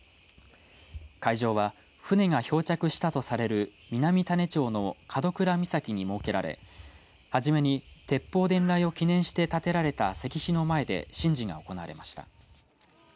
会場は船が漂着したとされる南種子町の門倉岬に設けられはじめに鉄砲伝来を記念して立てられた石碑の前で神事が行われました。